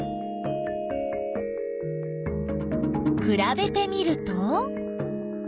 くらべてみると？